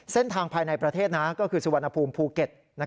เส้นทางภายในประเทศก็คือสุวรรณภูมิภูเก็ต